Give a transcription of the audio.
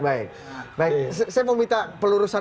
baik baik saya mau minta pelurusan